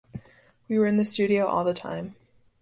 We were in the studio all the time!